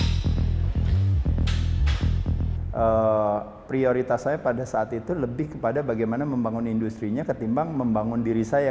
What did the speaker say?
pada saat itu prioritas saya pada saat itu lebih kepada bagaimana membangun industri nya ketimbang membangun diri saya